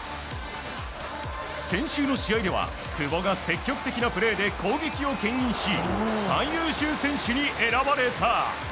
先週の試合では久保が積極的なプレーで攻撃を牽引し最優秀選手に選ばれた。